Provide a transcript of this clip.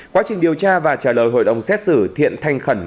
quá trình điều tra và trả lời hội đồng xét xử thiện thanh khẩn